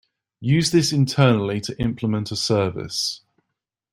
Use this internally to implement a service.